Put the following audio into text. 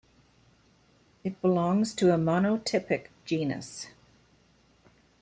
It belongs to a monotypic genus.